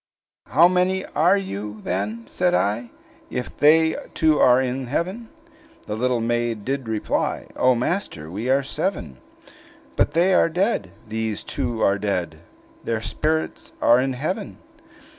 "How many are you, then," said I, "If they two are in heaven?" The little maiden did reply, "O master! we are seven." "But they are dead; these two are dead! Their spirits are in heaven!"